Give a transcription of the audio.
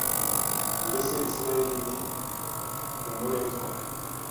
Mbese Isirayeli ni umuretwa